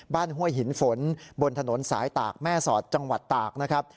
ห้วยหินฝนบนถนนสายตากแม่สอดจังหวัดตากนะครับ